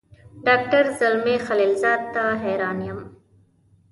ډاکټر زلمي خلیلزاد ته حیران یم.